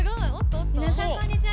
皆さんこんにちは。